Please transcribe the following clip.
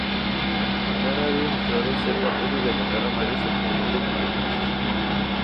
Madara ha demostrado ser capaz de derrotar a varios oponentes poderosos.